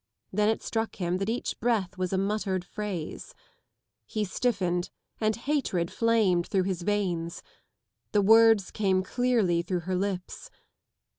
Then it struck him that each breath was a muttered phrase. He stiffened, and hatred flamed through his veins. The words came clearly through her lips.